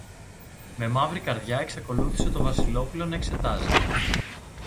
Με μαύρη καρδιά εξακολούθησε το Βασιλόπουλο να εξετάζει.